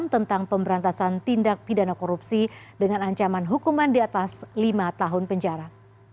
tentang pemberantasan tindak pidana korupsi dengan ancaman hukuman di atas lima tahun penjara